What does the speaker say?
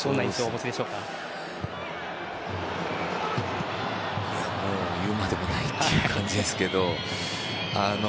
もう、言うまでもないっていう感じですけど。